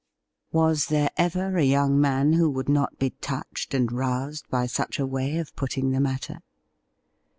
Was there ever a young man who would not be touched and roused by such a way of putting the matter